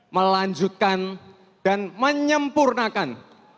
melanjutkan dan menyempurnakan